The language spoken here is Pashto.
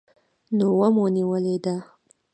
نوه مو نیولې ده.